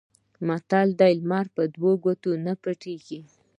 متل دی: لمر په دوو ګوتو نه پټېږي.